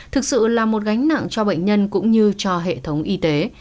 thực sự là một gánh nặng cho bệnh nhân cũng như cho hệ thống y tế